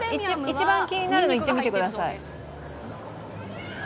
一番気になるのいってみてください。